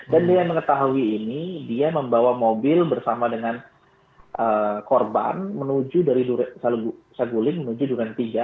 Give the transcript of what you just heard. dan dia mengetahui ini dia membawa mobil bersama dengan korban menuju dari seguling menuju durentiga